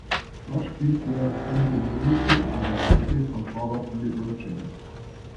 Dort spielte er noch einige Monate an der Seite von Forward Lebron James.